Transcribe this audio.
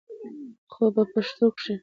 خو په پښتو کښې